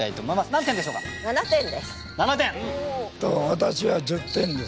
私は１０点です。